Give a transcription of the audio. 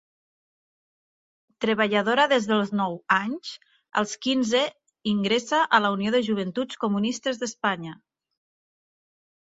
Treballadora des dels nou anys, als quinze ingressa a la Unió de Joventuts Comunistes d'Espanya.